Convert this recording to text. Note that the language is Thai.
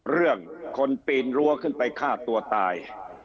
เรื่องคนปีนรั้วขึ้นไปฆ่าตัวตาย